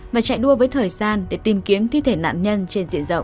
và chạy đua với thời gian để tìm kiếm thi thể nạn nhân trên diện rộng